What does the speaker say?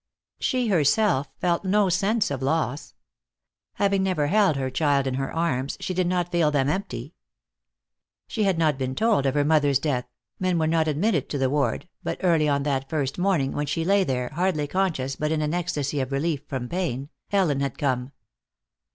She herself felt no sense of loss. Having never held her child in her arms she did not feel them empty. She had not been told of her mother's death; men were not admitted to the ward, but early on that first morning, when she lay there, hardly conscious but in an ecstasy of relief from pain, Ellen had come.